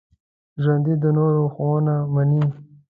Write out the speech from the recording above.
ژوندي د نورو ښوونه مني